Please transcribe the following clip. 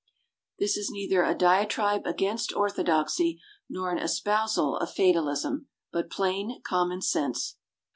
This is neither a diatribe against orthodoxy nor an espousal of fatalism, but plain, common sense.